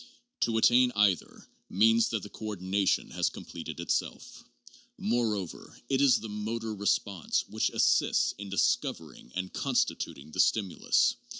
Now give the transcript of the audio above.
To attain either, means that the coor dination has completed itself. Moreover, it is the motor re sponse which assists in discovering and constituting the stim ulus.